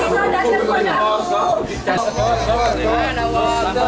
sampai kembali ke